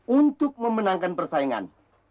untuk memenangkan persaingan